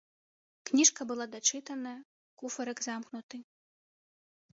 Кніжка была дачытана, куфэрак замкнуты.